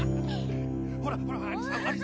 ほらほらほら。